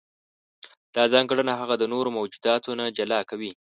دا ځانګړنه هغه د نورو موجوداتو نه جلا کوي.